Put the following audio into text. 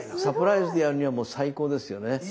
サプライズでやるにはもう最高ですよね。